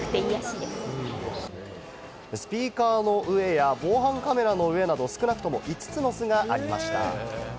スピーカーの上や防犯カメラの上など、少なくとも５つの巣がありました。